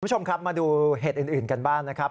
คุณผู้ชมครับมาดูเหตุอื่นกันบ้างนะครับ